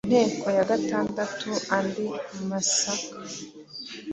Mu nteko ya gatandatu: Andi masaka